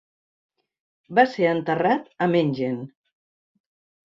Va ser enterrat a Mengen.